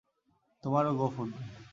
তোমারো গোঁফ উঠবে।